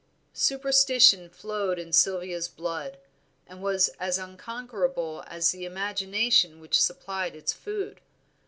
Superstition flowed in Sylvia's blood, and was as unconquerable as the imagination which supplied its food.